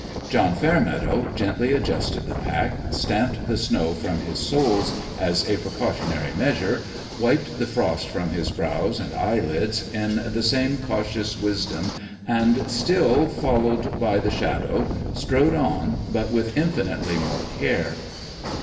John Fairmeadow gently adjusted the pack, stamped the snow from his soles, as a precaution ary measure, wiped the frost from his brows and eyelids, in the same cautious wisdom, and, still followed by the Shadow, strode on, but with infinitely more care.